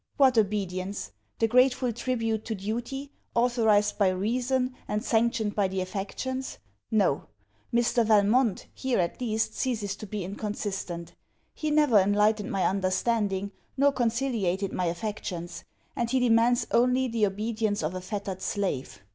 What obedience? the grateful tribute to duty, authorised by reason, and sanctioned by the affections? No. Mr. Valmont, here at least, ceases to be inconsistent. He never enlightened my understanding, nor conciliated my affections; and he demands only the obedience of a fettered slave.